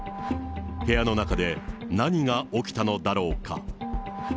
部屋の中で、何が起きたのだろうか。